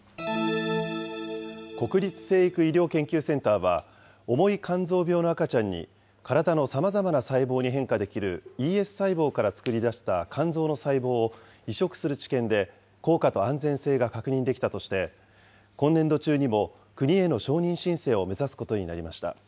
国立成育医療研究センターは、重い肝臓病の赤ちゃんに、体のさまざまな細胞に変化できるＥＳ細胞から作り出した肝臓の細胞を移植する治験で、効果と安全性が確認できたとして、今年度中にも国への承認申請を目指すことになりました。